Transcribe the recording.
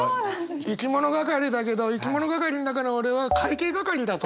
「いきものがかり」だけど「いきものがかり」の中の俺は「かいけいがかり」だと。